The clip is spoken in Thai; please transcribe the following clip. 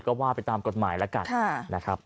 ก็ว่าไปตามกฎหมายละกัด